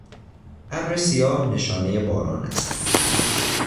ابر سیاه نشانهی باران است.